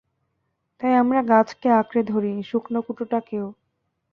তাই আমরা গাছকেও আঁকড়ে ধরি, শুকনো কুটোকেও।